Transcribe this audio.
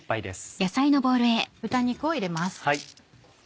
豚肉を入れます。